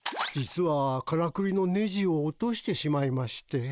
実はからくりのネジを落としてしまいまして。